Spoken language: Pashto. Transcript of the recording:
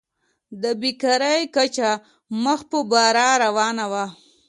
د بېکارۍ کچه مخ په بره روانه وه.